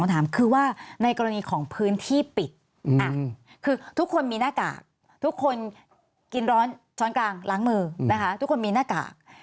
ทุกคนมีหน้ากากทุกคนกินร้อนช้อนกลางล้างมือทุกคนมีหน้ากาก